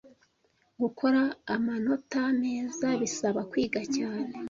Gukora amanota meza bisaba kwiga cyane.